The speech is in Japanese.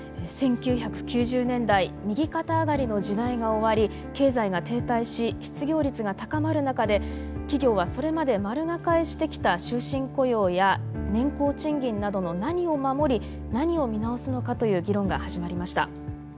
１９９０年代右肩上がりの時代が終わり経済が停滞し失業率が高まる中で企業はそれまで丸抱えしてきた終身雇用や年功賃金などの何を守り何を見直すのかという議論が始まりました。